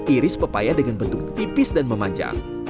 iris pepaya dengan bentuk tipis dan memanjang